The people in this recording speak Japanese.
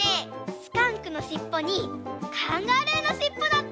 スカンクのしっぽにカンガルーのしっぽだって！